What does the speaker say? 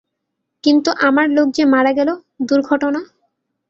কিন্তু আমার লোক যে মারা গেল - দুর্ঘটনা।